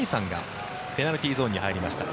ペナルティーに入りましたね。